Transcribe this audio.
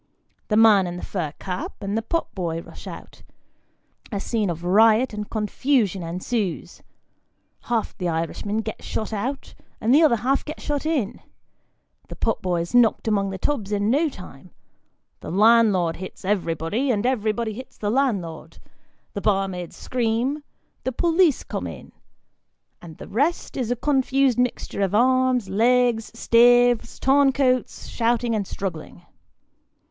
The man in the fur cap, and the potboy rush out; a scene of riot and confusion ensues ; half the Irishmen get shut out, and the other half 138 Sketches by Bos. get shut in ; the potboy is knocked among the tubs in no time ; the landlord hits everybody, and everybody hits the landlord ; the bar maids scream ; the police come in ; the rest is a confused mixture of arms, legs, staves, torn coats, shouting, and struggling.